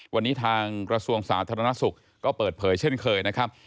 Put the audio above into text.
วันนี้ทางกระทรวงสาธารณสุขก็เปิดเผยเช่นเคยนะครับ